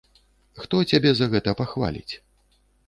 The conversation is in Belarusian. Хто цябе за гэта пахваліць?